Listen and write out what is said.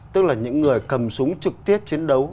tức là những người cầm súng trực tiếp chiến đấu